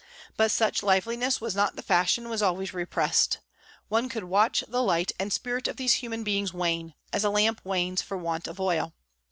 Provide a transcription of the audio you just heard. But such liveliness was not the fashion and was always repressed. One could watch the light and spirit of these human beings wane, as a lamp wanes for want of oil.